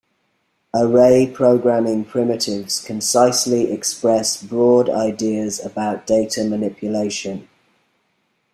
Array programming primitives concisely express broad ideas about data manipulation.